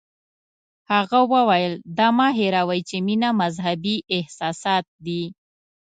هغه وویل دا مه هیروئ چې مینه مذهبي احساسات دي.